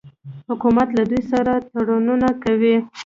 حکومت له دوی سره تړونونه کوي.